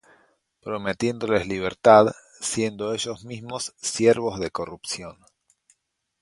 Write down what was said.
Prometiéndoles libertad, siendo ellos mismos siervos de corrupción.